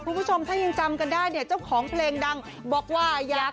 คุณผู้ชมถ้ายังจำกันได้เนี่ยเจ้าของเพลงดังบอกว่าอยาก